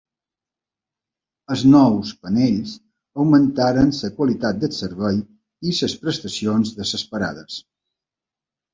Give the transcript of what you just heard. Els nous panells augmentaran la qualitat del servei i les prestacions de les parades.